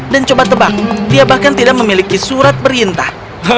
dan coba tebak dia bahkan tidak memiliki surat perintah